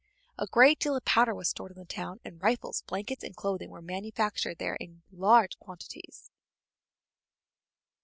A great deal of powder was stored in the town, and rifles, blankets, and clothing were manufactured there in large quantities.